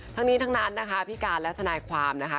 ทั้งนี้ทั้งนั้นนะคะพี่การและทนายความนะคะ